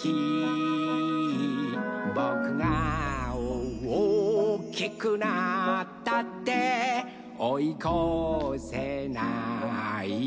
「ぼくがおおきくなったっておいこせないよ」